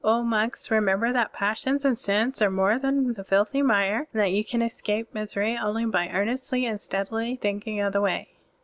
O monks, remember that passions and sins are more than the filthy mire, and that you can escape misery only* by earnestly and steadily thinking of the Way."